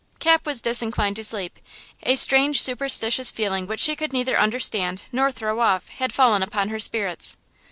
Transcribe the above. Cap was disinclined to sleep; a strange superstitious feeling which she could neither understand nor throw off had fallen upon her spirits.